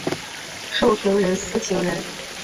授行人司行人。